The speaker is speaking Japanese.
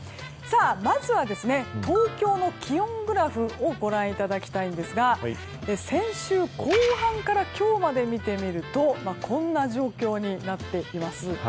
まずは東京の気温グラフをご覧いただきたいんですが先週後半から今日まで見てみるとこんな状況になっています。